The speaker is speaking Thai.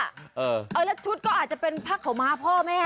แล้วชุดก็อาจจะเป็นผ้าขาวม้าพ่อแม่